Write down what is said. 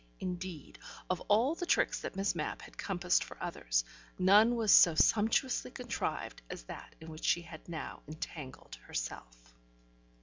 Indeed, of all the tricks that Miss Mapp had compassed for others, none was so sumptuously contrived as that in which she had now entangled herself.